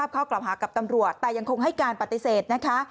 ข้อกล่าวหากับตำรวจแต่ยังคงให้การปฏิเสธนะคะ